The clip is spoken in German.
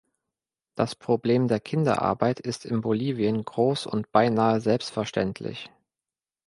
Das Problem der Kinderarbeit ist in Bolivien groß und beinahe selbstverständlich.